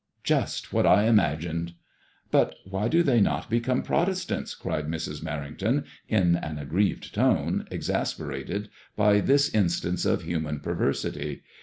" Just what I imagined I "" But why do they not become Protestants ?" cried Mrs. Mer rington, in an aggrieved tone, exasperated by this instance of human perversity.